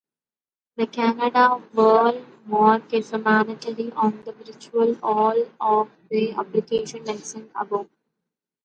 The Canada wordmark is mandatory on virtually all of the applications mentioned above.